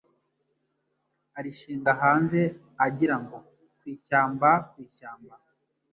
arishinga hanze agira ngo: Ku ishyamba, ku ishyamba